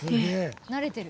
「慣れてる」